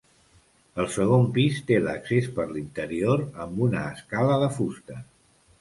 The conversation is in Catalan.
El segon pis té l'accés per l'interior, amb una escala de fusta.